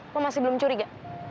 lo masih belum curiga